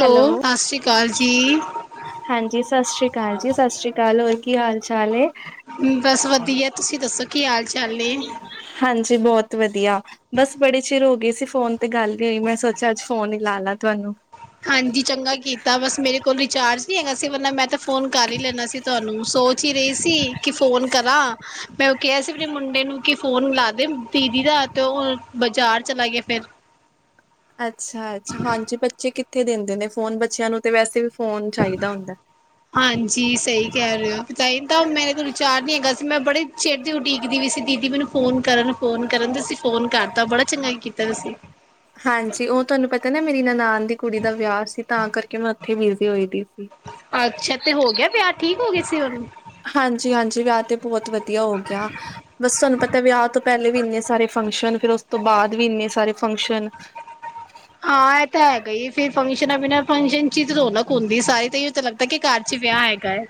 Hello, ਸਤਿ ਸ਼੍ਰੀ ਅਕਾਲ ਜੀ। ਹਾਂਜੀ ਸਤਿ ਸ਼੍ਰੀ ਅਕਾਲ ਜੀ ਸਤਿ ਸ਼੍ਰੀ ਅਕਾਲ ਹੋਰ ਕੀ ਹਾਲ ਚਾਲ ਏ? ਬਸ ਵਧੀਆ। ਤੁਸੀਂ ਦੱਸੋ ਕੀ ਹਾਲ ਚਾਲ ਨੇ? ਹਾਂਜੀ ਬਹੁਤ ਵਧੀਆ। ਬਸ ਬੜੇ ਚਿਰ ਹੋ ਗਈ ਸੀ ਫੋਨ ਤੇ ਗੱਲ ਨੀ ਹੋਈ ਮੈਂ ਸੋਚਿਆ ਅੱਜ ਫੋਨ ਹੀ ਲਾ ਲਾ ਤੁਵਾਨੂੰ। ਹਾਂਜੀ ਚੰਗਾ ਕੀਤਾ ਬਸ ਮੇਰੇ ਕੋਲ ਰਿਚਾਰਜ, ਨੀ ਹੈਗਾ ਸੀ ਵਰਨਾ ਮੈਂ ਤਾਂ ਫੋਨ ਕਰ ਹੀ ਲੈਨਾ ਸੀ ਤੁਹਾਨੂੰ ਸੋਚ ਹੀ ਰਹੀ ਸੀ ਕਿ ਫੋਨ ਕਰਾਂ ਮੈਂ, ਕਿਹਾ ਸੀ ਮੇਰੇ ਮੁੰਡੇ ਨੂੰ ਕਿ ਫੋਨ ਮਿਲਾ ਦੇ ਦੀਦੀ ਦਾ ਤੇ ਉਹ ਬਾਜ਼ਾਰ ਚਲਾ ਗਿਆ ਫੇਰ। ਅੱਛਾ ਅੱਛਾ ਹਾਂਜੀ ਬੱਚੇ ਕਿੱਥੇ ਦਿੰਦੇ ਨੇ ਫੋਨ ਬੱਚਿਆਂ ਨੂੰ ਤੇ ਵੈਸੇ ਵੀ ਫੋਨ ਚਾਹੀਦਾ ਹੁੰਦਾ। ਹਾਂਜੀ ਸਹੀ ਕਹਿ ਰਹੇ ਹੋ ਤਾਂ ਇ ਤਾਂ ਮੇਰੇ ਕੋਲ ਰਿਚਾਰਜ ਨੀ ਹੈਗਾ ਸੀ ਮੈਂ ਬੜੇ ਚਿਰ ਦੀ ਉਡੀਕਦੀ ਪੀ ਸੀ ਦੀਦੀ ਮੈਨੂੰ, ਫੋਨ ਕਰਨ ਫੋਨ ਕਰਨ ਤੇ ਅਸੀਂ ਫੋਨ ਕਰਤਾ ਬੜਾ ਚੰਗਾ ਕੀਤਾ ਤੁਸੀਂ। ਹਾਂਜੀ ਉਹ ਤੁਹਾਨੂੰ ਪਤਾ ਨਾ ਮੇਰੀ ਨਨਾਨ ਦੀ ਕੁੜੀ ਦਾ ਵਿਆਹ ਸੀ ਤਾਂ ਕਰਕੇ ਮੈਂ ਉੱਥੇ ਬਿਜ਼ੀ ਹੋਈ ਦੀ ਸੀ। ਅੱਛਾ ਤੇ ਹੋ ਗਿਆ ਵਿਆਹ ਠੀਕ ਹੋ ਗਿਆ ਸੀ ਉਹ? ਹਾਂਜੀ-ਹਾਂਜੀ ਵਿਆਹ ਤੇ ਬਹੁਤ ਵਧੀਆ ਹੋ ਗਿਆ। ਬਸ ਤੁਹਾਨੂੰ ਪਤਾ ਵਿਆਹ ਤੋਂ ਪਹਿਲੇ ਵੀ ਇੰਨੇ ਸਾਰੇ ਫੰਕਸ਼ਨ ਫੇਰ ਉਸ ਤੋਂ ਬਾਅਦ ਵੀ ਇੰਨੇ ਸਾਰੇ ਫੰਕਸ਼ਨ। ਹਾਂ ਇਹ ਤਾਂ ਹੈਗਾ ਇ ਏ ਫੇਰ। ਫੰਕਸ਼ਨਾਂ ਬਿਨਾਂ ਫੰਕਸ਼ਨ ਚ ਤੇ ਰੌਣਕ ਹੁੰਦੀ ਸਾਰੀ ਤਾਂ ਇ ਤਾਂ ਲਗਦਾ ਕਿ ਘਰ ਚ ਵਿਆਹ ਹੈਗਾ ਏ।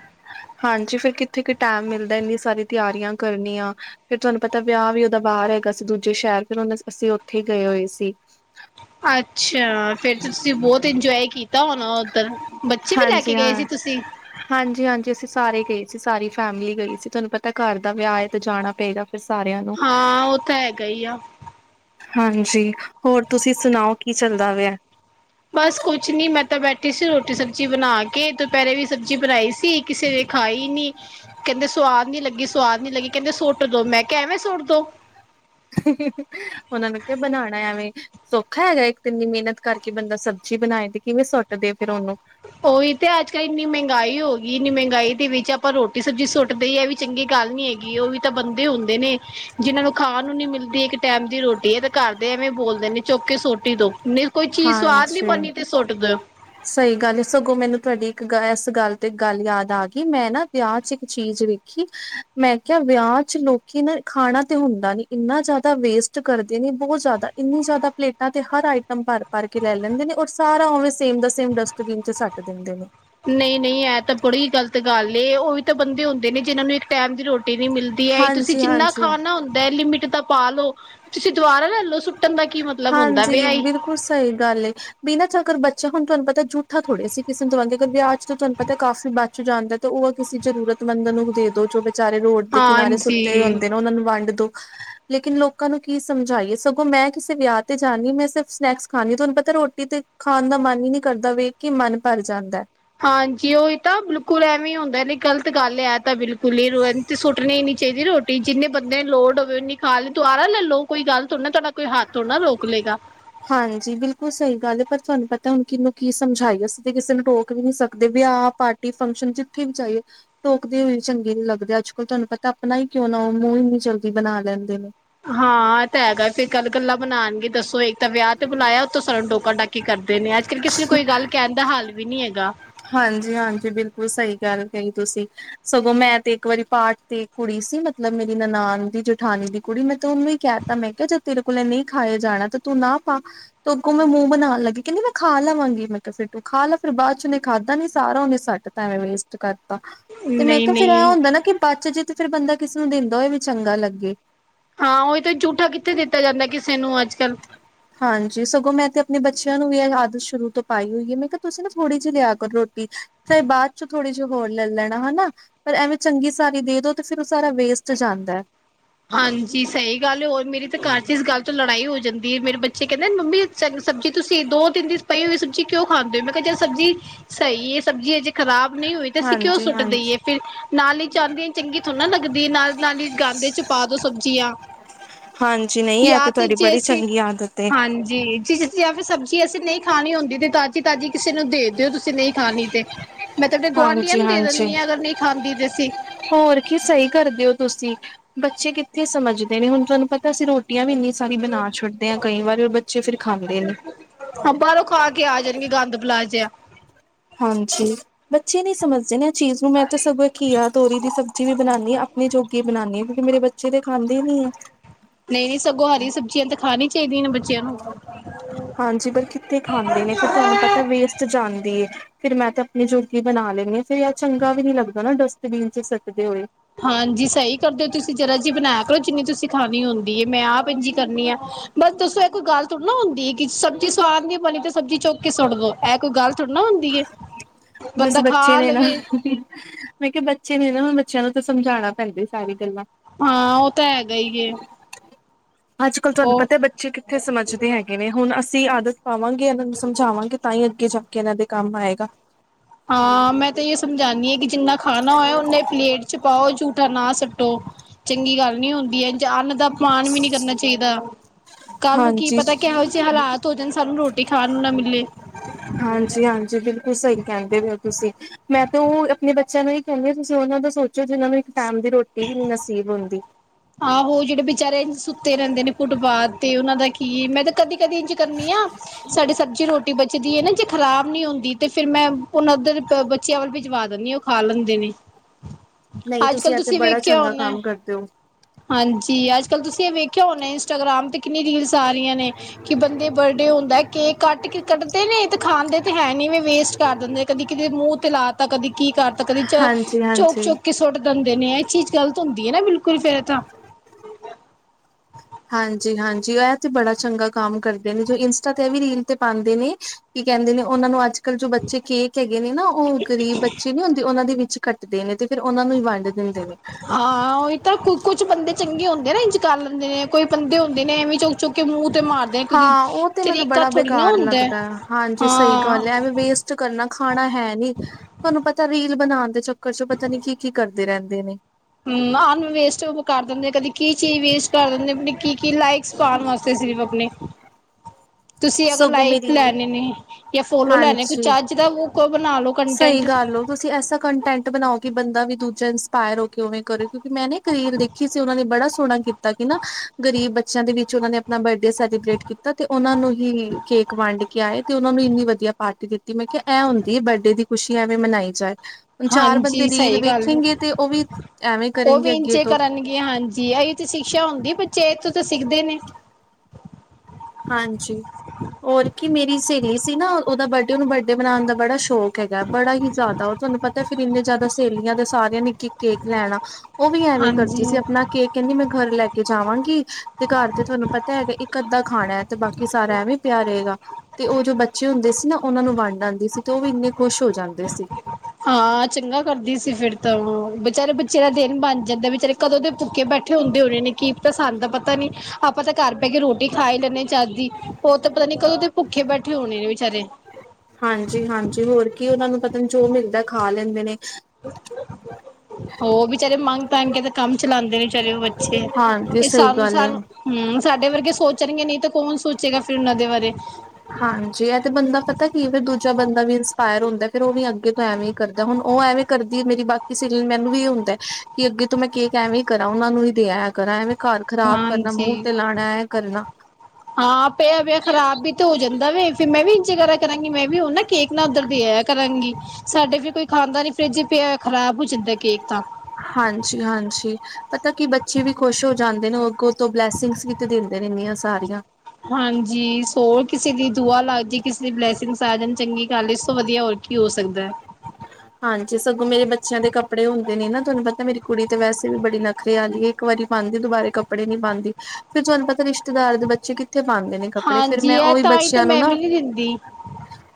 ਹਾਂਜੀ ਫਿਰ ਕਿੱਥੇ ਕਿ ਟੈਮ ਮਿਲਦਾ ਇੰਨੀ ਸਾਰੀ ਤਿਆਰੀਆਂ ਕਰਨੀਆਂ। ਫੇਰ ਤੁਹਾਨੂੰ ਪਤਾ ਵਿਆਹ ਵੀ ਉਹਦਾ ਬਾਹਰ ਹੈਗਾ ਸੀ ਦੂਜੇ ਸ਼ਹਿਰ ਫੇਰ ਉਹਨ ਅਸੀਂ ਉੱਥੇ ਹੀ ਗਏ ਹੋਏ ਸੀ। [unintelligible] ਅੱਛਾ ਫੇਰ ਤਾਂ ਤੁਸੀਂ ਬਹੁਤ ਇੰਜੋਏ ਕੀਤਾ ਹੋਣਾ ਉੱਧਰ ਬੱਚੇ ਵੀ ਲੈ ਕੇ ਗਏ ਸੀ ਤੁਸੀਂ। ਹਾਂਜੀ-ਹਾਂਜੀ ਅਸੀਂ ਸਾਰੇ ਗਏ ਸੀ, ਸਾਰੀ ਫੈਮਿਲੀ ਗਈ ਸੀ, ਤੁਹਾਨੂੰ ਪਤਾ ਘਰ ਦਾ ਵਿਆਹ ਏ ਤੇ ਜਾਣਾ ਪਏਗਾ। [unintelligible] ਹਾਂ ਉਹ ਤਾਂ ਹੈਗਾ ਹੀ ਆ। ਹਾਂਜੀ ਹੋਰ ਤੁਸੀਂ ਸੁਣਾਓ ਕੀ ਚੱਲਦਾ ਪਿਆ? ਬਸ ਕੁਛ ਨੀ ਮੈਂ ਤਾਂ ਬੈਠੀ ਸੀ ਰੋਟੀ ਸਬਜ਼ੀ ਬਣਾ ਕੇ, ਕੇ ਦੁਪਹਿਰੇ ਵੀ ਸਬਜ਼ੀ ਬਣਾਈ ਸੀ ਕਿਸੇ ਨੇ ਖਾਈ ਨੀ ਕਹਿੰਦੇ ਸਵਾਦ ਨੀ ਲੱਗੀ ਸਵਾਦ ਨੀ ਲੱਗੀ। ਕਹਿੰਦੇ ਸੁੱਟ ਦੋ ਮੈਂ ਕਿਹਾ ਐਵੇਂ ਸੁੱਟ ਦੋ। ਉਹਨਾਂ ਨੂੰ ਕਿ ਬਣਾਉਣਾ ਐਵੇਂ, ਸੌਖਾ ਹੈਗਾ ਇੱਕ ਇਤਨੀ ਮਿਹਨਤ ਕਰਕੇ ਬੰਦਾ ਸਬਜ਼ੀ ਬਣਾਏ ਤੇ ਕਿਵੇਂ ਸੁੱਟਦੇ ਫੇਰ ਉਹਨੂੰ। ਉਹੀ ਤੇ ਅੱਜ ਕੱਲ ਇੰਨੀ ਮਹਿੰਗਾਈ ਹੋ ਗਈ ਇੰਨੀ ਮਹਿੰਗਾਈ ਦੇ ਵਿੱਚ ਆਪਾਂ ਰੋਟੀ ਸਬਜ਼ੀ ਸੁੱਟਦੇ ਆ ਵੀ, ਚੰਗੀ ਗੱਲ ਨੀ ਹੈਗੀ ਉਹ ਵੀ ਤਾਂ ਬੰਦੇ ਹੁੰਦੇ ਨੇ ਜਿਹਨਾਂ ਨੂੰ ਖਾਣ ਨੂੰ ਨੀ ਮਿਲਦੀ ਇੱਕ ਟੈਮ ਦੀ ਰੋਟੀ ਇਹ ਤੇ, ਕਰਦੇ ਐਵੇਂ ਬੋਲਦੇ ਨੇ ਚੁੱਕ ਕੇ ਸੁੱਟ ਈ ਦੋ ਨਹੀਂ ਕੋਈ ਚੀਜ਼ ਸਵਾਦ ਨੀ ਹਾਂਜੀ ਬਨੀ ਤੇ ਸੁੱਟ ਦਿਓ। ਸਹੀ ਗੱਲ ਏ ਸਗੋਂ ਮੈਨੂੰ ਤੁਹਾਡੀ ਇੱਕ ਗਲ ਇਸ ਗੱਲ ਤੇ ਗੱਲ ਯਾਦ ਆਗੀ ਮੈਂ ਨਾ, ਵਿਆਹ ਚ ਇੱਕ ਚੀਜ਼ ਵੇਖੀ, ਮੈਂ ਕਿਹਾ ਵਿਆਹ ਚ ਲੋਕੀ ਨਾ ਖਾਣਾ ਤੇ ਹੁੰਦਾ ਨੀ ਇੰਨਾ ਜ਼ਿਆਦਾ ਵੇਸਟ ਕਰਦੇ ਨੇ ਬਹੁਤ ਜ਼ਿਆਦਾ। ਇੰਨੀ ਜ਼ਿਆਦਾ ਪਲੇਟਾਂ ਤੇ ਹਰ ਆਈਟਮ ਭਰ, ਭਰ ਕੇ ਲੈ ਲੈਂਦੇ ਨੇ ਔਹ ਸਾਰਾ ਉਵੇਂ ਸੇਮ ਦਾ ਸੇਮ ਡਸਟਬੀਨ ਤੇ ਸੱਟ ਦਿੰਦੇ ਨੇ। ਨਹੀਂ- ਨਹੀਂ ਇਹ ਤਾਂ ਬੜੀ ਗ਼ਲਤ ਗੱਲ ਏ। ਉਹ ਵੀ ਤਾਂ ਬੰਦੇ ਹੁੰਦੇ ਨੇ ਜਿਹਨਾਂ ਨੂੰ ਟਾਈਮ ਦੀ ਰੋਟੀ ਨਹੀਂ ਮਿਲਦੀ ਹੈ ਇਹ ਤੁਸੀਂ ਹਾਂਜੀ ਜਿੰਨਾ ਹਾਂਜੀ। ਖਾਣਾ ਹੁੰਦਾ ਹੈ ਲਿਮਿਟ ਦਾ ਪਾ ਲ ਲੋ। ਤੁਸੀਂ ਦੁਬਾਰਾ ਲੈ ਲਓ। ਸੁੱ ਹਾਂਜੀ ਬਿਲਕੁਲ ਸਹੀ ਗੱਲ ਏ। [unintelligible] ਚ ਅਗਰ ਬੱਚਾ ਹੁਣ ਤੁਵਾਣੁ ਪਤਾ ਜੂਠਾ ਥੋੜੇ ਅਸੀ ਕਿਸੇ ਨੂੰ ਦੇਵਾਂਗੇ ਵਿਆਹ ਚ ਤੇ ਤੁਵਾਣੁ ਪਤਾ ਕਾਫ਼ੀ ਬੱਚ ਜਾਂਦਾ ਤੇ ਉਹ ਤੁਸੀ ਜ਼ਰੂਰਤਮੰਦਾ ਨੂੰ ਦੇਦੋ ਜੋ ਬੇਚਾਰੇ ਰੋਡ, ਦੇ ਕਿਨਾਰੇ ਸੁੱਤੇ ਹੋਏ ਹਾਂਜੀ ਹੁੰਦੇ ਨੇ ਉਹਨਾਂ ਨੂੰ ਵੰਡ ਦੋ ਲੇਕਿਨ ਲੋਕਾਂ ਨੂੰ ਕੀ ਸਮਝਾਈਏ ਸਗੋਂ ਮੈਂ, ਕਿਸੇ ਵਿਆਹ ਤੇ ਜਾਣੀ ਮੈਂ ਸਿਰਫ ਸਨੈਕਸ ਖਾਣੀ ਤੁਹਾਨੂੰ ਪਤਾ ਰੋਟੀ ਤੇ ਖਾਣ ਦਾ ਮਨ ਹੀ ਨਹੀਂ ਕਰਦਾ ਵੇਖ ਕੀ ਮਨ ਭਰ ਜਾਂਦਾ। ਹਾਂਜੀ ਉਹੀ ਤਾਂ ਬਿਲਕੁਲ ਐਵੇਂ ਹੀ ਹੁੰਦਾ ਨਹੀਂ ਗ਼ਲਤ ਗੱਲ ਏ ਤਾਂ ਬਿਲਕੁਲ ਹੀ ਰੋਟੀ ਤੇ ਸੁੱਟਣੀ ਹੀ ਨੀ ਚਾਹੀਦੀ ਰੋਟੀ ਜਿੰਨੇ ਬੰਦੇ ਦੀ ਲੋੜ ਹੋਵੇ ਉਨੀ ਖਾ ਲੋ ਦੁਬਾਰਾ ਲੈ ਲੋ ਲਓ ਕੋਈ ਗੱਲ ਥੋੜੀ ਨਾ ਤੁਹਾਡਾ ਕੋਈ ਹੱਥ ਥੋੜਾ ਨਾ ਰੋਕ ਲਏਗਾ। ਹਾਂਜੀ ਬਿਲਕੁਲ ਸਹੀ ਗੱਲ ਏ ਪਰ ਤੁਹਾਨੂੰ ਪਤਾ ਹੁਣ ਕਿੰਨੂੰ ਕੀ ਸਮਝਾਈਏ ਅਸੀਂ ਤੇ ਕਿਸੇ ਨੂੰ ਰੋਕ ਵੀ ਨੀ ਸਕਦੇ ਵੀਆਹ ਪਾਰਟੀ ਫੰਕਸ਼ਨ ਜਿੱਥੇ ਵੀ ਜਾਈਏ। ਟੋਕਦੇ ਹੋਏ ਚੰਗੇ ਨ ਲੱਗਦੇ। ਅੱਜ ਕੱਲ੍ਹ ਤੁਹਾਨੂੰ ਪਤਾ ਆਪਣਾ ਹੀ ਕਿਉਂ ਨਾ ਉਹ ਮੂੰਹ ਇੰਨੀ ਜਲਦੀ ਬਣਾ ਲੈਂਦੇ ਨੇ। ਹਾਂ। ਇਹ ਤਾਂ ਹੈਗਾ। ਫੇਰ ਕੱਲ ਗੱਲਾਂ ਬਣਾਉਣਗੇ। ਦੱਸੋ, ਇੱਕ ਤਾਂ ਵਿਆਹ ਤੇ ਬੁਲਾਇਆ ਉਹੋਂ ਸਾਨੂੰ ਡੋਕਾ -ਟਾਕੀ ਕਰਦੇ ਨੇ। ਅੱਜ ਕੱਲ੍ਹ ਕਿਸੇ ਨੂੰ ਕੋਈ ਗੱਲ ਕਹਿਣ ਦਾ ਹਾਲ ਵੀ ਨੀ ਹੈਗਾ। ਹਾਂਜੀ- ਹਾਂਜੀ ਬਿਲਕੁਲ, ਸਹੀ ਗੱਲ ਕਹੀ ਤੁਸੀਂ। ਸਗੋਂ ਮੈਂ ਤੇ ਇੱਕ ਵਾਰੀ ਪਾਠ ਤੇ ਕੁੜੀ ਸੀ ਮਤਲਬ ਮੇਰੀ ਨਨਾਨ ਦੀ ਜਠਾਨੀ ਦੀ। ਕੁੜੀ ਮੈਂ ਤਾਂ ਉਹਨੂੰ ਹੀ ਕਹਿ ਤ ਮੈਂ ਕਿਹਾ ਜੇ ਤੇਰੇ ਕੋਲ ਨਹੀਂ ਖਾਆ ਜਾਣਾ। ਤਾਂ ਤੂੰ ਨਾ ਪਾ। ਤੱਗੋਂ ਮੈਂ ਮੂੰਹ ਬਣਾਉਣ ਲੱਗੀ ਕਹਿੰਦੀ ਮੈਂ ਖਾਵਾਂਗੀ। ਮੈਂਲਬ ਫਿਰ ਤੂੰ ਖਾ ਲੈ। ਫਿਰ ਬਾਅਦ ਚ' ਉਹਨੇ ਖਾ ਨੀ ਸਾਰਾ ਉਹਨੇ ਸੱਟ ਤਾਂ [unintelligible] ਕਰਤਾ। ਤੇ ਮੈਂ ਨਹੀਂ ਕਿਹਾ, ਫੇਰ ਇਹ ਨਹੀਂ ਹੁੰਦਾ ਨਾ ਕਿ ਬੱਚ ਜੇ ਤੇ ਫਿਰ ਬੰਦਾ ਕਿਸੇ ਨੂੰ ਦਿੰਦਾ ਇਹ ਵੀ ਚੰਗਾ ਲੱਗੇ। ਹਾਂ। ਉਹਹੀ ਤਾਂ ਝੂਠਾ ਕਿੱਥੇ ਦਿੱਤਾ ਜਾਂਦਾ ਕਿਸੇ ਨੂੰ ਅੱਜ ਕੱਲ੍ਹ। ਹਾਂਜੀ। ਸਗੋਂ ਮੈਂ ਤੇ ਆਪਣੇ ਬੱਚਿਆਂ ਨੂੰ ਵੀ ਇਹ ਆਦਤ ਸ਼ੁਰੂ ਤੋਂ ਪਾਈ ਹੋਈ ਹੈ। ਮੈਂ ਕਿਹਾ ਤੁਸੀਂ ਨਾ ਥੋੜ੍ਹੀ ਜਹੀ ਲਿਆ ਕਰ ਰੋਟੀ। ਫੇਰ ਬਾਅਦ ਚੋਂ ਥੋੜ੍ਹੀ ਜਿਹੀ ਹੋਰ ਲੈ ਲੈਣਾ ਹਨਾ। ਪਰ ਐਵੇਂ ਚੰਗੀ ਸਾਰੀ ਦੇ ਦੋ। ਤੇ ਫਿਰ ਉਹ ਸਾਰਾ ਵੇਸਟ ਜਾਂਦਾ ਹੈ। ਹਾਂਜੀ। ਸਹੀ ਗੱਲ ਹੋਰ ਮੇਰੀ ਤਾਂ ਘਰ ਚ' ਇਸ ਗੱਲ ਤੋਂ ਲੜਾਈ ਹੋ ਜਾਂਦੀ ਹੈ। ਮੇਰੇ ਬੱਚੇ ਕਹਿੰਦੇ ਮੰਮੀ ਸਬਜ਼ੀ ਤੁਸੀਂ ਦੋ- ਤਿੰਨ ਦਿ ਪਈ ਹੋਈ ਸਬਜ਼ੀ ਕਿਉਂ ਖਾਂਦੇ ਹੋ। ਮੈਂ ਕਿਹਾ, ਸਬਜ਼ੀ ਸਹੀ ਇਹ ਸਬਜ਼ੀ ਹਜੇ। ਖ਼ਰਾਬ ਨਹੀਂ ਹੋਈ ਤੇ ਅਸੀਂ ਕਿਉਂ ਹਾਂਜੀ ਸੁੱਟ ਹਾਂਜੀ ਦੇਈਏ। ਫਿਰ ਨਾਲੀ ਚ' ਆਂਦੀ ਚੰਗੀ ਥੋੜ੍ਹਾ ਨਾ ਲੱਗਦੀ ਹੈ। ਨਾਲ ਨਾਲੀ ਗਾਂਦੇ ਚ' ਪਾ ਸਬਜ਼ੀਆਂ। ਹਾਂਜੀ ਨਹੀਂ ਇਹ ਜਾਂ ਤੇ ਤਾਂ ਤੁਹਾਡੀ ਬੜੀ ਜੇਸੀ ਚੰਗੀ ਹਾਂ। ਆਦਤ ਏ। ਹਾਂਜੀ। ਜਿਰ ਸਬਜ਼ੀ ਅਸੀਂ ਨਹੀਂ ਖਾਣੀ ਹੁੰਦੀ ਤੇ ਤਾਜ਼ੀ- ਤਾਜ਼ੀ ਕਿਸੇ ਨੂੰ ਦੇ ਦਿਓ। ਤੁਸੀਂ ਨਹੀਂ ਖਾਣੀ ਤੇ ਹ [inaudible] ਮੈਂ ਤੁਹਾਡੇ ਗੁਆਂਢੀਆਂ ਨੂੰ ਦੇ ਦਿੰਦੀ ਹਾਂ। ਅਗਰ ਨਹੀਂ ਖਾਂਦੀ ਤਾਂ ਇਸ ਸੀ। ਹੋਰ ਕੀ, ਸਹੀ ਕਰਦੇ ਹੋ ਤੁਸੀਂ। ਬੱਚੇ ਕਿੱਥੇ ਸਮਝਦੇ ਨੇ ਹੁਣ ਤੁਹਾਨੂੰ ਪਤਾ ਅ ਸੀਂ ਰੋਟੀ ਰੋਟੀਆਂ ਵੀ ਇੰਨੀ ਸਾਰੀ ਬਣਾ ਛੱਡਦੇ ਆ ਕਈ ਵਾਰ, ਉਹ ਬੱਚੇ ਫੇਰ ਖਾਂਦੇ ਨੀ। ਹਾਂ, ਬਾਹਰੋਂ ਖਾ ਕੇ ਆ ਜਾਣਗੇ ਗੰਦ ਬਲਾ ਜਿਆ। ਹਾਂਜੀ। ਬੱਚੇ ਨਹੀਂ ਸਮਝਦੇ ਨੇ। ਚੀਜ਼ ਨੂੰ ਮੈਂ ਤਾਂ ਸਗੋਂ ਖੀਆ ਤੋਰੀ ਦੀ ਸਬਜ਼ੀ ਵੀ ਬਣਾਉਂਦੀ ਆਪਣੀ ਜੋਗੀ ਬਣਾਉਂਦੀ ਹਾਂ। ਕਿਉਂਕ ਮੇਰੇ ਬੱਚੇ ਤਾਂ ਖਾਂਦੇ ਹੀ ਹੈ। ਨਹੀਂ -ਨਹੀਂ ਸਗੋਂ ਹਰੀ ਸਬਜ਼ੀਆਂ ਤਾਂ ਖਾਣੀ ਚਾਹੀਦੀਆਂ ਨੇ ਬੱਚਿਆਂ ਨੂੰ। ਹਾਂਜੀ। ਪਰ ਕਿੱਥੇ ਖਾਂਦੇ ਨੇ, ਫਿਰ ਤੁਹਾਨੂੰ ਪਤਾ ਵੇਸਟ ਜਾਂਦੀਏ। ਫਿਰ ਮੈਂ ਤਾਂ ਆਪਣੀ ਜੋਗੀ ਬਣਾ ਲੈਂਦੀ ਹਾਂ। ਫਿਰ ਯਾਰ ਚੰਗਾ ਵੀ ਨੀ ਲੱਗਦਾ ਨਾ ਡਸਟਬੀਨ ਚ' ਸੁੱਟਦੇ ਹੋਏ। ਹਾਂਜੀ, ਸਹੀ ਕਰਦੇ ਹੋ ਤੁਸੀਂ ਜ਼ਰਾ ਜਿਹੀ ਬਣਾਇਆ ਕਰੋ ਜਿੰਨੀ ਤੁਸੀਂ ਖਾਣੀ ਹੁੰਦੀ ਹੈ। ਮੈਂ ਆਪ ਇਝਂ ਕਰਨੀ ਹੈ। ਬਸ ਦੱਸੋ ਇਹ ਕੋਈ ਗੱਲ ਸੜਨਾ ਹੁੰਦੀ ਕਿ ਸਬਜ਼ੀ ਸੁਵਾਦ ਨੀ ਬਣੀ ਤੇ ਸਬਜ਼ੀ ਚੁੱਕ ਕੇ ਸੁੱਟ ਦੋ। ਇਹ ਕੋਈ ਗੱਲ ਥੋੜਾ ਨਾ ਹੁੰਦੀ। ਬਸ ਬੰਦਾ ਬੱਚੇ ਖਾ ਨੇ ਨਾ ਲਵੇ। ਮੈਂ ਕਿਹਾ, ਬੱਚੇ ਨੇ ਨਾ ਹੁਣ ਬੱਚਿਆਂ ਨੂੰ ਤਾਂ ਸਮਝਾਉਣਾ ਪੈਂਦਾ ਸਾਰੀ ਗੱਲਾਂ। ਹਾਂ, ਔ ਤਾਂ ਹੈਗਾ ਹੀ ਏ। ਅੱਜ-ਕੱਲ੍ਹ ਤੁਹਾਨੂੰ ਪਤਾ ਬੱਚੇ ਕਿੱਥੇ ਸਮਝਦੇ ਹੈਗ ਕਿਵੇਂ ਹੁਣ ਅਸੀਂ ਆਦਤ ਪਾਵਾਂਗੇ ਇਹਨਾਂ ਨੂੰ ਸਮਝਾਵਾਂਗੇ ਤਾਂ ਹੀ ਅੱਗੇ ਜਾ ਕੇ ਇਹਨਾਂ ਦੇ ਕੰਮ ਆਏਗਾ। ਹਾਂ ਮੈਂ ਤੇ ਇਹ ਹੀ ਸਮਝਾਂਦੀ ਹਾਂ ਕਿ ਜਿੰਨਾ ਖਾਣਾ ਹੋਯੇ ਉਨਾ ਈ ਪਲੇਟ ਚ ਪਾਓ ਝੂਠਾ ਨਾ ਸਟੋ। ਚੰਗੀ ਗੱਲ ਨਹੀ [unintelligible] ਹੁੰਦੀ ਐ। ਜਾ ਅੰਨ ਦਾ ਅਪਮਾਨ ਵੀ ਨੀ ਕਰਨਾ ਚਾਹੀਦਾ ਕੱਲ੍ਹ ਨੂੰ ਕੀ ਹਾਂਜੀ ਪਤਾ ਕਿਹੋ ਜਿਹੇ ਹਾਲਾਤ ਤੋ ਭੋਜਨ ਸਾਨੂੰ ਰੋਟੀ ਖਾਣ ਨੂੰ ਨਾ ਮਿਲੇ। ਹਾਂਜੀ -ਹਾਂਜੀ, ਬਿਲਕੁਲ ਸਹੀ ਕੈੰਦੇ ਪੇ ਹੋ ਤੁਸੀਂ। ਮੈਂ ਤਾਂ ਉਹ ਅਪਣੇ ਬੱਚਿਆਂ ਨੂੰ ਏਹੀ ਕੈੰਣੀ ਆਂ। ਤੁਸੀਂ ਓਨਾਂ ਦਾ ਸੋਚੋ ਜਿਨਾਂ ਨੂੰ ਇੱਕ ਟੈਮ ਦੀ ਰੋਟੀ ਵੀ ਨੀ ਨਸੀਬ ਹੁੰਦੀ। ਆਹੋ, ਜੇੜੇ ਬੇਚਾਰੇ ਐੰਝ ਸੁੱਤੇ ਰੈੰਦੇ ਨੇ ਫੁੱਟਪਾਥ ਤੇ ਓਹਨਾਂ ਦਾ ਕੀ ਮੈਂ ਤੇ ਕਦੀ- ਕਦੀ ਇੰਚ ਕਰਨੀ ਆ। ਸਾਡੀ ਸਬਜ਼ੀ, ਰੋਟੀ ਰ ਬੱਚੇ ਦੀ ਨਾ ਜੇ ਖਰਾਬ ਨੀ ਹੁੰਦੀ। ਤੇ ਫੇਰ ਮੈਂ ਹੁਣ ਉਧਰ ਬੱਚਿਆਂ ਵੱਲ ਭਿਜਵਾ ਦਿੰਦੀ ਉਹ ਖਾ ਲੈਂਦੇ ਨੇ। ਨਹੀਂ, ਅੱਜ ਤੁਸੀਂ ਕੱਲ੍ਹ ਇਥ ਬੜਾ ਵੇਖਿਆ ਚੰਗਾ ਹੋਣਾ ਕੰਮ ਕਰਦੇ ਹੋ। ਹਾਂਜੀ, ਅੱਜ-ਕੱਲ੍ਹ ਤੁਸੀਂ ਐ ਵੇਖਿਆ ਹੋਣੈ ਇੰਸਟਾਗ੍ਰਾਮ ਤੇ ਕਿੰਨੀ ਰੀਲਸ ਆ ਰੀਆਂ ਨੇ। ਕਿ ਬੰਦੇ ਬਰਡੇ ਹੁੰਦੈ। ਕੇਕ ਕੱਟ ਕੇ ਕੱਟਦੇ ਨੇ ਤੇ ਖਾਂਦੇ ਤੇ ਹੈ ਨੀ ਵੇਸਟ ਕਰ ਦਿੰਦੇ ਆ। ਕਦੀ -ਕਿਦੇ ਮੂੰਹ ਤੇ ਲਾ ਤਾ, ਕਦੀ ਕੀ ਕਰਤਾ, ਕਦੀ ਚ ਚੁਕ ਹਾਂਜੀ-ਹਾਂਜੀ। -ਚੁੱਕ ਕੇ ਸੋਟ ਦੰਦੇ ਨੇ। ਐ ਚੀਜ਼ ਗ਼ਲਤ ਹੁੰਦੀ ਏ ਨਾ ਬਿਲਕੁਲ ਫੇਰ ਤਾਂ। ਹਾਂਜੀ ਹਾਂਜੀ ਇਹ ਤੇ ਬੜਾ ਚੰਗਾ ਕੰਮ ਕਰਦੇ ਨੇ ਜੋ ਇੰਸਟਾ ਤੇ ਐਵੀ ਰੀਲ ਤੇ ਪਾੰਦੇ ਨੇ ਕੀ ਕਹਿੰਦੇ ਨੇ ਉਹਨਾਂ ਨੂੰ ਅੱਜ ਕੱਲ ਜੋ ਬੱਚੇ ਕੇਕ ਹੈਗੇ ਨੇ ਨਾ ਓਹ ਗ਼ਰੀਬ ਬੱਚੇ ਨੀ ਹੁੰਦੇ ਓਹਨਾਂ ਦੇ ਵਿੱਚ ਕੱਟਦੇ ਨੇ ਤੇ ਫਿਰ ਓਹਨਾਂ ਨੂੰ ਹੀ ਵੰਡ ਦਿੰਦੇ ਨੇ। [unintelligible] ਔਈ ਤਾ ਕੁ ਕੁਛ ਬੰਦੇ ਚੰਗੇ ਹੁੰਦੇ ਨੇ ਨਾ ਇੰਝ ਕਰ ਲੈਂਦੇ ਨੇ, ਕੋਈ ਬੰਦੇ ਹੁੰਦੇ ਨੇ ਐਵੇਂ ਚੁੱਕ-ਚੁੱਕ ਕੇ ਮੂੰਹ ਤੇ ਮਾਰ [unintelligible] ਹਾਂ ਉਹ ਤੇ ਮੈਨੂੰ ਬੜਾ ਬੇਕਾਰ ਲੱਗਦਾ ਹੈ ਹਾਂਜੀ ਸਹੀ ਹਾਂ ਗੱਲ ਐ ਐਵੇਂ ਵੇਸ ਕਰਨਾ ਖਾਣਾ ਹੈ ਨੀ ਤੁਹਾਨੂੰ ਪਤਾ ਰੀਲ ਬਣਾਣ ਦੇ ਚੱਕਰ ਚ ਪਤਾ ਨੀ ਕੀ-ਕੀ ਕਰ ਦੇ ਰੈੰਦੇ ਨੇ। [unintelligible] ਹੂੰ ਨਾ ਅਨ ਵੇਸਟ ਕਰ ਦਿੰਦੇ ਕਦੀ ਕੀ ਚੀਜ਼ ਵੇਸਟ ਕਰ ਦਿੰਦੇ ਪਤਾਂ ਨੀ ਕੀ ਕੀ ਲਾਈਕਸ ਪਾਣ ਵਾਸਤੇ ਸਿਰਫ ਆਪਣੇ। [inaudible] ਤੁਸੀਂ ਅਗਰ ਸਗੋਂ ਲਾਇਕ ਮੇਰੀ ਲੈਣੇ ਨੇ। ਜਾਂ ਫੋਲੋ ਲੈਣੇ ਕੁਛ ਹਾਂਜੀ ਚੱਜ ਦਾ ਉਹ ਬਣਾ ਲੋ ਸਹੀ ਕੰਟੈਂਟ। ਗੱਲ ਹੋ ਤੁਸੀਂ ਐਸਾ ਕੰਟੈਂਟ ਬਣਾਓ ਕਿ ਬੰਦਾ ਵੀ ਦੂਜਾ ਇੰਸਪਾਇਰ ਹੋ ਕੇ ਉਵੇਂ ਕਰੇ। ਮੈਂ ਨਾ ਇਕ ਰੀਲ ਦੇਖੀ ਸੀ ਓਹਨਾਂ ਨੇ ਬੜਾ ਸੋਹਣਾ ਕੀਤ ਤਾ ਕਿ ਨਾ ਗ਼ਰੀਬ ਬੱਚਿਆਂ ਦੇ ਵਿੱਚ ਓਹਨਾਂ ਨੇ ਅਪਣਾ ਬਰਥਡੇ ਸੈਲੀਬ੍ਰੇਟ ਕੀਤਾ ਤੇ ਓਹਨਾਂ ਨੂੰ ਹੀ ਕੇਕ ਵੰਡ ਕੇ ਆਏ ਤੇ ਓਹਨਾਂ ਨੂੰ ਇੰਨੀ ਵਧੀਆ ਪਾਰਟੀ ਦਿੱਤੀ ਮੈਂ ਕਿਹਾ ਇਹ ਹੁੰਦੀ ਬਰਥਡੇ ਦੀ ਖੁਸ਼ੀਆਂ ਵੀ ਮਨਾਈ ਜਾਏ। ਚਾਰ ਬੰਦੇ ਹਾਂਜੀ ਰੀਲ ਸਹੀ ਗੱਲ ਹੈ ਵੇਖੇਗੇ ਤੇ ਓਹ ਵੀ ਐਵੇਂ ਉਹ ਕਰੇਂਗੇ ਵੀ ਅੱਗੇ ਇੰਝੇ ਤੋਂ। ਕਰਨਗੇ ਹਾਂਜੀ ਇਹ ਤੇ ਸ਼ਿਕਸ਼ਾ ਹੁੰਦੀ ਏ ਬੱਚਾ ਇਹਥੋਂ ਤੇ ਸਿੱਖਦੇ ਨੇ। ਹਾਂਜੀ। ਔਰ ਕੀ ਮੇਰੀ ਸਹੇਲੀ ਸੀ ਨਾ ਓਦਾ ਬਰਡੇ ਔਨੂੰ ਬਰਡੇ ਮਨਾਉਣ ਦਾ ਬੜਾ ਸ਼ੌਕ ਹੈਗਾ ਬੜਾ ਹੀ ਜਾਦਾ। ਤੁਹਾਨੂੰ ਪਤਾ ਫਿਰ ਇੰਨੇ ਜਿਆਦਾ ਸਹੇਲੀਆਂ ਦੇ ਸਾਰਿਆਂ ਨੇ ਇੱਕ-ਇੱਕ ਕੇਕ ਲੈ ਆਣਾ ਓਹ ਵੀ ਐਵੇਂ ਕਰਦੀ ਹਾਂਜੀ ਸੀ ਆਪਣਾ ਕੇਕ ਕਹਿੰਦੀ ਮੈਂ ਘਰ ਲੈ ਕੇ ਜਾਵਾਂਗੀ ਤੇ ਘਰ ਤੇ ਤੁਹਾਨੂੰ ਪਤੈ ਹੈਗਾ ਇੱਕ ਅੱਧਾ ਖਾਣਾ ਐ ਤੇ ਬਾਕੀ ਸਾਰਾ ਐਵੇ ਵੀ ਪਿਆ ਰਹੇਗਾ। ਤੇ ਓਹ ਜੋ ਬੱਚੇ ਹੁੰਦੇ ਸੀ ਨਾ ਓਨਾਂ ਨੂੰ ਵੰਡ ਆਂਦੀ ਸੀ ਤੇ ਓਹ ਵੀ ਇੰਨੇ ਖੁਸ਼ ਹੋ ਜਾਂਦੇ ਸੀ। ਹਾਂ ਚੰਗਾ ਕਰਦੀ ਸੀ ਫਿਰ ਤਾਂ ਬੇਚਾਰੇ ਬੱਚੇ ਦਾ ਦਿਨ ਬਣ ਜਾਂਦਾ ਬਈ ਚਲੇ ਕਦੋਂ ਦੇ ਭੁੱਖੇ ਬੈਠੇ ਹੁੰਦੇ ਹੋਣੇ ਨੇ ਕੀ ਪਤਾ ਸਾਨੂੰ ਤਾ ਪਤਾ ਨੀ ਆਪਾਂ ਤਾਂ ਘਰ ਬੈਠ ਕੇ ਰੋਟੀ ਖਾ ਹੀ ਲੈਂਦੇ ਆਂ ਚਲ ਜੀ। ਓਹ ਤੇਂ ਪਤਾ ਨੀ ਕਦੋਂ ਦੇ ਭੁੱਖੇ ਬੈਠੇ ਹੋਣੇ ਨੇ ਵਿਚਾਰੇ। ਹਾਂਜੀ ਹਾਂਜੀ ਹੋਰ ਕੀ ਓਹਨਾਂ ਨੂੰ ਪਤਾ ਜੋ ਮਿਲਦੈ ਖਾ ਲੈਂਦੇ ਨੇ। ਔਹ ਵਿਚਾਰੇ ਮੰਗ ਤੰਗ ਕੇ ਤੇ ਕੰਮ ਚਲਾਂਦੇ ਨੇ ਵਿਚਾਰੇ ਓਹ ਬੱਚੇ ਹਾਂਜੀ ਕੋਈ ਸਹੀ ਗੱਲ ਹੈ ਸਾਨੂੰ ਹੂੰ ਸਾਡੇ ਵਰਗੇ ਸੋਚਣਗੇ ਨਹੀਂ ਤਾਂ ਕੌਣ ਸੋਚੇਗਾ ਫਿਰ ਉਨਾਂ ਦੇ ਵਰੇ। ਹਾਂਜੀ ਐ ਤੇ ਬੰਦਾ ਪਤਾ ਕੀ ਏ, ਫਿਰ ਦੂਜਾ ਬੰਦਾ ਵੀ ਇੰਸਪਾਇਰ ਹੁੰਦੈ ਫੇਰ ਓਹ ਵੀ ਅੱਗੇ ਤੋਂ ਐਵੇਂ ਈ ਕਰਦਾ ਹੁਣ ਉਹ ਐਵੇਂ ਕਰਦੀ ਹੈ ਮੇਰੀ ਬਾਕੀ ਸਰੀ ਮੈਨੂੰ ਵੀ ਇਹ ਹੁੰਦਾ ਕਿ ਅੱਗੇ ਤੋਂ ਮੈਂ ਕੇਕ ਐਵੇਂ ਕਰਾਂ ਉਹਨਾਂ ਨੂੰ ਹੀ ਦੇ ਆਇਆ ਕਰਾਂ ਐਵੇ ਘਰ ਖ਼ਰਾਬ ਕਰਨਾ ਮੂੰਹ ਹਾਂਜੀ ਤੇ ਲਾਣਾ ਐ ਕਰਨਾ ਹਾਂ ਪਿਆ ਪਿਆ ਖ਼ਰਾਬ [unintelligible] ਵੀ ਤੇ ਹੋ ਜਾਂਦਾ ਵ ਫਿਰ ਮੈਂ ਵੀ ਇੰਜਗਾ ਕਰਾਂਗੀ ਮੈਂ ਵੀ ਹ ਨਾ ਕੇਕ ਨਾ ਉੱਧਰ ਦੀ ਹੈਇਆ ਕਰਾਂਗੀ [unintelligible] ਸਾਡੇ ਵੀ ਕੋਈ ਖਾਂਦਾ ਨੀ ਫਰਿਜ਼ ਚ ਖਰਾਬ ਹੋ ਜਾਂਦਾ ਕੇਕ ਤਾਂ ਹਾਂਜੀ ਹਾਂਜੀ ਪਤਾ ਕੀ ਬੱਚੇ ਵੀ ਖੁਸ਼ ਹੋ ਜਾਂਦੇ ਨੇ ਉਹ ਤੋਂ ਬਲੈਸਿੰਗਸ ਵੀ ਤੇ ਦਿੰਦੇ ਨੇ ਇਨੀਆਂ ਸਾਰੀਆਂ ਹਾਂਜੀ ਸੋ ਕਿਸੇ ਦੀ ਦੁਆ ਲਗਦੀ ਕਿਸੇ ਦੀ ਬਲੈਸਿੰਗ ਆ ਜਾਣ ਚੰਗੀ ਗੱਲ ਇਸ ਤੋਂ ਵਧੀਆ ਹੋਰ ਕੀ ਹੋ ਸਕਦਾ ਹਾਂਜੀ ਸਗੋਂ ਮੇਰੇ ਬੱਚਿਆਂ ਦੇ ਕੱਪੜੇ ਹੁੰਦੇ ਨੇ ਨਾ ਤੁਹਾਨੂੰ ਪਤਾ ਮੇਰੀ ਕੁੜੀ ਤੇ ਵੈਸੇ ਵੀ ਬੜੀ ਨ [unintelligible] ਇੱਕ ਵਾਰੀ ਪਾਉਂਦੀ ਦੁਬਾਰੇ ਕੱਪੜੇ ਪਾਂਦੀ ਫਿਰ ਤੁਹਾਨੂੰ ਪਤਾ ਰਿਸ਼ਤੇਦਾਰ ਦੇ ਬੱਚੇ ਪਾਉਂਦੇ ਨੇ ਕੱਪੜੇ ਫੇਰ ਹਾਂਜੀ ਮੈਂ ਇਹ ਓਹੀ ਤਾਂ ਹੀ ਤਾਂ ਬੱਚਿਆਂ ਨੂੰ ਮੈਂ ਨਾ ਵੀ ਨਹੀਂ ਦਿੰਦੀ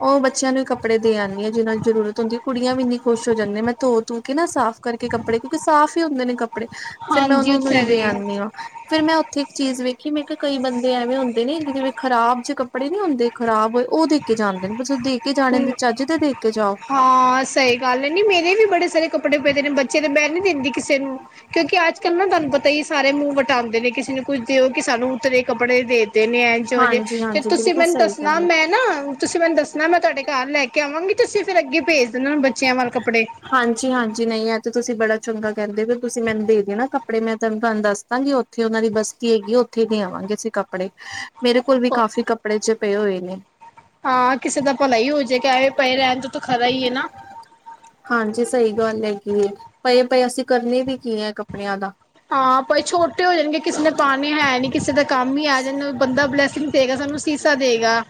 ਓਹ ਬੱਚਿਆਂ ਨੂੰ ਹੀ ਕੱਪੜੇ ਦੇ ਆਉਂਦੀ ਆਂ ਜਿਨਾ ਦੀ ਜ਼ਰੂਰਤ ਹੁੰਦੀ ਏ। ਕੁੜੀਆਂ ਵੀੰ ਏਂਨੀ ਖੁਸ਼ ਹੋ ਜਾਂਦੀਆ ਮੈਂ ਧੋ-ਧੂ ਕੇ ਨਾ ਸਾਫ਼ ਕਰਕੇ ਕੱਪੜੇ ਕਿਉਂਕਿ ਸਾਫ਼ ਹੀ ਹੁੰਦੇ ਨੇ ਕੱਪੜੇ। ਫੇਰ ਮੈਂ ਹਾਂਜੀ ਉਹਨਾ ਨੂੰ ਹੀ ਉੱਥੇ ਦੇ ਗਏ ਆਉਂਦੀ ਆਂ। ਫੇਿਰ ਮੈਂ ਉੱਥੇ ਇੱਕ ਚੀਜ਼ ਵੇਖੀ ਮੈਂ ਕਿਹਾ ਕਈ ਬੰਦੇ ਐਵੇਂ ਹੁੰਦੇ ਨੇ ਜਿਵੇਂ ਖਰਾਬ ਜਿਹੇ ਕੱਪੜੇ ਨੀ ਹੁੰਦੇ ਖ਼ਰਾਬ ਹੋਏ ਉਹ ਦੇਖ ਦੇ ਕੇ ਜਾਂਦੇ ਨੇ ਦੇ ਕੇ ਜਾਣੇ ਨੇ ਤੇ ਤਾਂ ਚੱਜ ਤੇ ਦੇ ਕੇ ਜਾਓ ਹਾਂ ਸਹੀ ਗੱਲ ਨੀ ਮੇਰੇ ਵੀ ਬੜੇ ਸਾਰੇ ਕੱਪੜੇ ਪਏ ਨੇ ਬੱਚੇ ਦੇ ਮੈਂ ਨੀ ਦਿੰਦੀ ਕਿਸੇ ਨੂੰ ਕਿਉਂਕਿ ਅੱਜ ਕੱਲ ਨਾ ਤੁਹਾਨੂੰ ਪਤਾ ਹੀ ਸਾਰੇ ਮੂੰਹ ਵਟਾਉਂਦੇ ਨੇ ਕਿਸੇ ਨੂੰ ਕੁੱਛ ਦਿਓ ਕਿ ਸਾਨੂੰ ਉਤਰੇ ਕੱਪੜੇ ਦੇ ਦੇ ਨੇ ਐਝਿ ਜੇ ਹਾਂਜੀ ਤੇ ਹਾਂਜੀ ਤੁਸੀਂ ਬਿਲਕੁਲ ਮੈਨੂੰ ਸਹੀ ਗੱਲ ਦੱਸਣਾ ਹੈ ਮੈਂ ਨਾ ਤੁਸੀਂ ਮੈਨੂੰ ਦੱਸਣਾ ਮੈਂ ਤੁਹਾਡੇ ਘਰ ਲੈ ਕੇ ਆਵਾਂਗੀ ਤੁਸੀਂ ਫੇਿਰ ਅੱਗੇ ਭੇਜ ਦੇਣਾ ਬੱਚਿਆਂ ਵੱਲ ਕੱਪੜੇ ਹਾਂਜੀ ਹਾਂਜੀ ਨਹੀਂ ਐ ਤੇ ਤੁਸੀਂ ਬੜਾ ਚੰਗਾ ਕਰਦੇ ਵੀ ਤੁਸੀਂ ਮੈਨੂੰ ਦੇ ਦਿਓ ਨਾ ਕੱਪੜੇ ਮੈਂ ਤੁਹਾਨੂੰ ਤਾਨੁ ਦੱਸ ਦਾਂਗੀ ਉੱਥੇ ਉਹਨਾਂ ਦੀ ਬਸਤੀ ਹੈਗੀ ਉੱਥੇ ਦੇ ਆਵਾਂਗੇ ਅਸੀਂ ਕ ਕੱਪੜੇ ਮੇਰੇ ਕੋਲ ਵੀ ਕਾਫੀ ਕੱਪੜੇ ਜੇ ਪਏ ਹੋਏ ਨੇ ਹਾਂ ਕਿਸੇ ਦਾ ਭਲਾ ਹੀ ਹੋ ਜੇ ਕਿਵੇਂ ਪਏ ਰਹਿਣ ਤੇ ਤਾਂ ਖਰਾ ਈ ਏ ਨਾ ਹਾਂਜੀ ਸਹੀ ਗੱਲ ਹੈ ਕਿ ਪਏ ਪਏ ਅਸੀਂ ਕਰਨੇ ਵੀ ਕੀ ਹੈ ਕੱਪੜਿਆਂ ਦਾ ਹਾਂ ਭਾਈ ਛੋਟੇ ਹੋ ਜਾਣਗੇ ਕਿਸੇ ਨੇ ਪਾਨੇ ਹੈ ਨੀ ਕਿਸੇ ਦੇ ਕੰਮ ਹੀ ਆ ਜਾਣ ਬੰਦਾ ਬਲੈਸਿੰਗ ਦੇਗਾ ਸਾਨੂੰ ਸੀਸਾ ਦੇਗਾ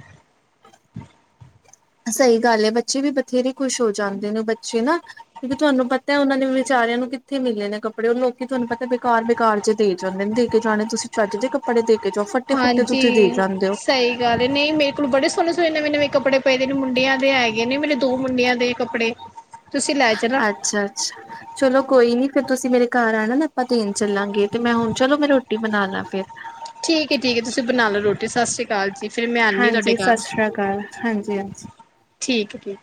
ਸਹੀ ਗੱਲ ਹੈ ਬੱਚੇ ਵੀ ਬਥੇਰੇ ਖੁਸ਼ ਹੋ ਜਾਂਦੇ ਨੇ ਬੱਚੇ ਨਾ ਕਿਉਂਕਿ ਤੁਹਾਨੂੰ ਪਤਾ ਉਹਨਾਂ ਦੇ ਵਿਚਾਰਿਆਂ ਨੂੰ ਕਿੱਥੇ ਮਿਲੇ ਨੇ ਕੱਪੜੇ ਉਹ ਲੋਕੀ ਤੁਹਾਨੂੰ ਪਤਾ ਬੇਕਾਰ ਬਕਾਰ ਜੇ ਦੇ ਜਾਂਦੇ ਨੇ ਦੇ ਕੇ ਜਾਣੇ ਤੁਸੀਂ ਚਜ ਦੇ ਕੱਪੜੇ ਦੇ ਕੇ ਜਾਓ ਫੱਟੇ ਫੁੱਟੇ ਹਾਂਜੀ ਤੁਸੀਂ ਦੇ ਜਾਂਦੇ ਓ ਸਹੀ ਗੱਲ ਨਹੀਂ ਮੇਰੇ ਕੋਲ ਬੜੇ ਸੋਹਣੇ ਸੋਹਣੇ ਨਵੇਂ ਨਵੇਂ ਕੱਪੜੇ ਪਏਦੇ ਨੇ ਮੁੰਡਿਆਂ ਦੇ ਹੈਗੇ ਨੇ ਮੇਰੇ ਦੋ ਮੁੰਡਿਆਂ ਦੇ ਕੱਪੜੇ ਤੁਸੀਂ ਲੈ ਜਾਣਾ ਅੱਛਾ ਅੱਛਾ ਚਲੋ ਕੋਈ ਨੀ ਫਿਰ ਤੁਸੀਂ ਮੇਰੇ ਘਰ ਆਣਾ ਨਾ ਆਪਾਂ ਦੇਣ ਚੱਲਾਂਗੇ ਤੇ ਮੈਂ ਹੁਣ ਚਲੋ ਮੈਂ ਰੋਟੀ ਬਣਾ ਲਾ ਫਿਰ ਠੀਕ ਹੈ ਠੀਕ ਹੈ ਤੁਸੀਂ ਬਣਾ ਲਓ ਰੋਟੀ ਸਤਿ ਸ਼੍ਰੀ ਅਕਾਲ ਜੀ ਫਿਰ ਮੈਂ ਆਉਂਦੀ ਤੁਹਾਡੇ ਹਾਂਜੀ ਘਰ ਸਤਿ ਸ੍ਰੀ ਅਕਾਲ ਹਾਂਜੀ ਹਾਂਜੀ ਠੀਕ ਹੈ ਠੀਕ